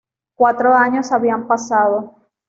Cuatro años habían pasado.